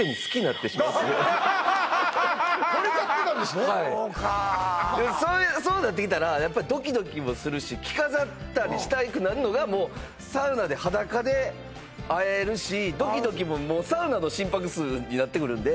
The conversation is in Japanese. はいそうかそうなってきたらドキドキもするし着飾ったりしたくなるのがサウナで裸で会えるしドキドキももうサウナの心拍数になってくるんで